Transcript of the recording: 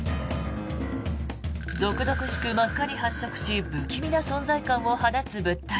毒々しく真っ赤に発色し不気味な存在感を放つ物体。